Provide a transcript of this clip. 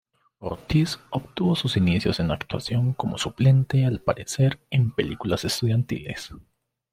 Ortiz obtuvo sus inicios en actuación como suplente al aparecer en películas estudiantiles.